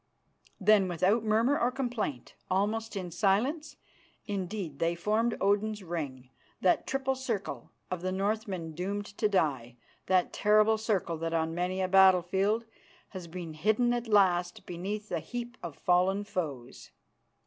Then, without murmur or complaint, almost in silence, indeed, they formed Odin's Ring, that triple circle of the Northmen doomed to die; the terrible circle that on many a battlefield has been hidden at last beneath the heap of fallen foes.